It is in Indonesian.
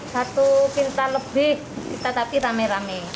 satu pintar lebih kita tapi rame rame